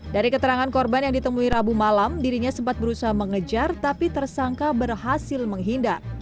dari keterangan korban yang ditemui rabu malam dirinya sempat berusaha mengejar tapi tersangka berhasil menghindar